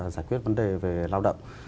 giải quyết vấn đề về lao động